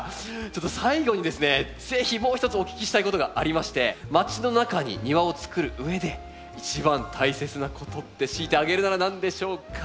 ちょっと最後にですね是非もう一つお聞きしたいことがありましてまちの中に庭をつくるうえで一番大切なことって強いて挙げるなら何でしょうか？